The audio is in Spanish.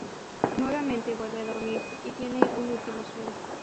Nuevamente vuelve a dormirse y tiene un último sueño.